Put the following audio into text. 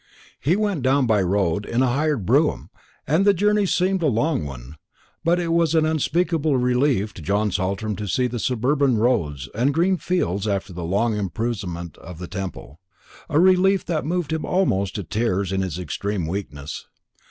He went down by road in a hired brougham, and the journey seemed a long one; but it was an unspeakable relief to John Saltram to see the suburban roads and green fields after the long imprisonment of the Temple, a relief that moved him almost to tears in his extreme weakness.